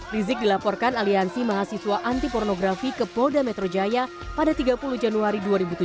rizik dilaporkan aliansi mahasiswa anti pornografi ke polda metro jaya pada tiga puluh januari dua ribu tujuh belas